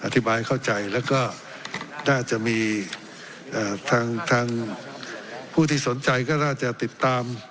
อธิบายเข้าใจแล้วก็น่าจะมีทางผู้ที่สนใจก็น่าจะติดตาม